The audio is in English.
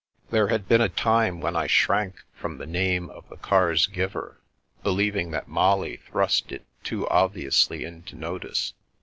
There had been a time when I shrank from the name of the car's giver, believing that Molly thrust it too obviously into notice.